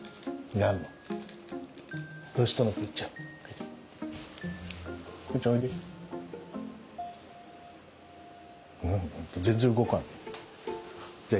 何あんた全然動かない。